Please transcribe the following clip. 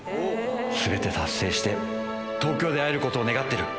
すべて達成して、東京で会えることを願ってる。